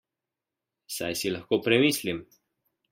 Saj si lahko premislim!